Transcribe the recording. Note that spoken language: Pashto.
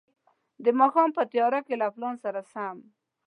د ماښام په تياره کې له پلان سره سم.